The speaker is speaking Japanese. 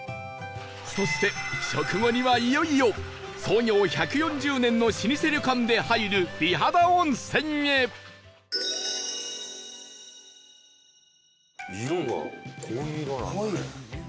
そして食後にはいよいよ創業１４０年の老舗旅館で入る美肌温泉へ色がこういう色なんだね。